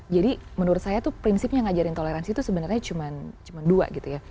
jadi menurut saya tuh prinsipnya ngajarin toleransi itu sebenarnya cuma dua gitu ya